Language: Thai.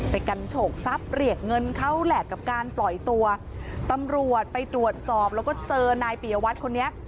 กันโฉกทรัพย์เรียกเงินเขาแหละกับการปล่อยตัวตำรวจไปตรวจสอบแล้วก็เจอนายปียวัตรคนนี้